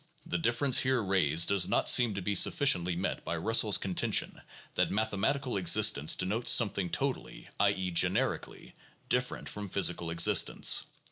The difficulty here raised does not seem to be sufficiently met by Russell's contention that mathematical existence denotes something totally (i. e., generically) different from physical exist ence.